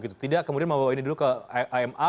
tidak kemudian membawa ini dulu ke ma